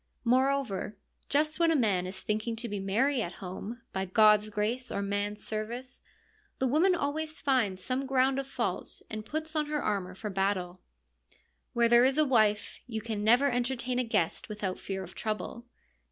Moreover, just when a man is thinking to be merry at home — by God's grace or man's service — the woman always finds some ground of fault and puts on her armour for battle. Where there is a wife, you can never entertain a guest without fear of trouble.